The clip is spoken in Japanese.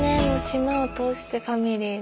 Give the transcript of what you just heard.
島を通してファミリー。